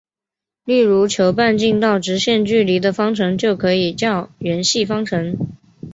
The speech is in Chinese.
例如求半径到直线距离的方程就可以叫圆系方程。